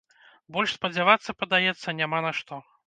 Больш спадзявацца, падаецца, няма на што.